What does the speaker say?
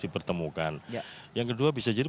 dipertemukan yang kedua bisa jadi